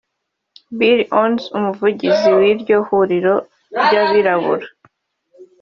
Bill Owens umuvugizi w’iryo huriro ry’Abirabura